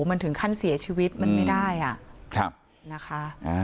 มันถึงขั้นเสียชีวิตมันไม่ได้นะคะ